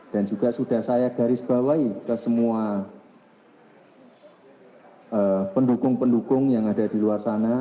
dan juga sudah saya garis bawahi ke semua pendukung pendukung yang ada di luar sana